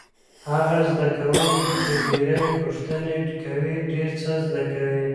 هغه زده کوونکی چې ډېرې پوښتنې کوي ډېر څه زده کوي.